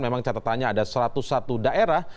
memang catatannya ada satu ratus satu daerah